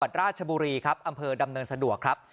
ราชบุรีครับอำเภอดำเนินสะดวกครับ